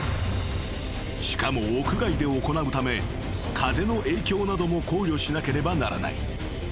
［しかも屋外で行うため風の影響なども考慮しなければならない］